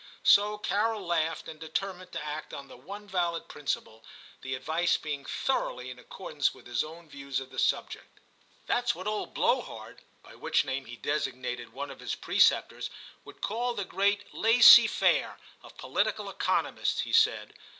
So Carol laughed and determined to act on the one valid principle, the advice being thoroughly in accordance with his own views of the subject. 'That's what old Blow hard (by which name he designated one of his preceptors) would call the great " Layssy fair " of Poli tical Economists,' he said.